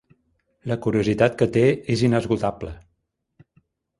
La curiositat que té és inesgotable.